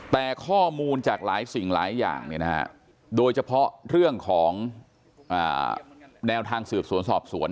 แต่ข้อมูลจากหลายสิ่งหลายอย่างโดยเฉพาะเรื่องของแนวทางสืบสวนสอบสวน